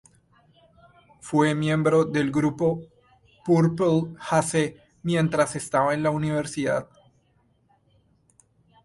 Fue miembro del grupo "Purple Haze" mientras estaba en la universidad.